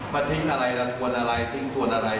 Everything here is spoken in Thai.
มาทิ้งอะไรละทุนอะไรทิ้งรวดอะไร